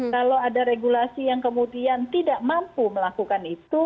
kalau ada regulasi yang kemudian tidak mampu melakukan itu